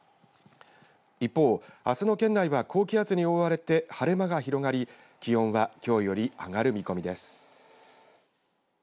一方、あすの県内は高気圧に覆われて晴れ間が広がり気温はきょうより上がる見込みです。